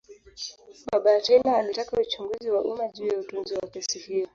Baba ya Taylor alitaka uchunguzi wa umma juu ya utunzaji wa kesi hiyo.